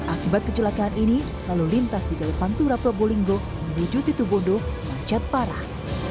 akibat kecelakaan ini lalu lintas di jalur pantura probolinggo menuju situ bondo macet parah